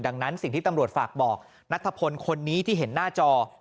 ดังนั้นสิ่งที่ตำรวจฝากบอกนัทพลคนนี้ที่เห็นหน้าจอ